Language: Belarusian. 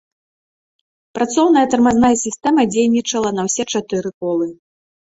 Працоўная тармазная сістэма дзейнічала на ўсе чатыры колы.